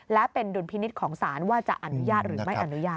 และเป็นดุลพินิษฐ์ของศาลว่าจะอนุญาตหรือไม่อนุญาต